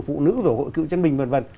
phụ nữ rồi hội cựu chân bình v v